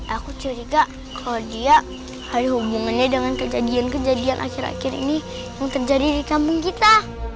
aku curiga kalau dia ada hubungannya dengan kejadian kejadian akhir akhir ini yang terjadi di kampung kita